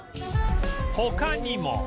他にも